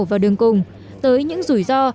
vào đường cùng tới những rủi ro